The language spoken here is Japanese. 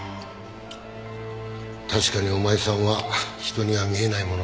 確かにお前さんは人には見えないものが見える。